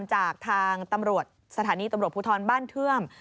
จากทางสถานีตำรวจพูทรบ้านเทื่อม